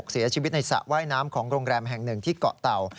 เสียชีวิตในสระว่ายน้ำของโรงแรมแห่งหนึ่งที่เกาะเตา